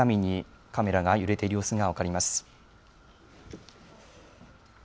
こちらも小刻みにカメラが揺れている様子が分かります。